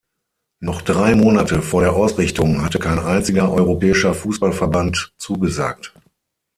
Noch drei Monate vor der Ausrichtung hatte kein einziger europäischer Fußballverband zugesagt.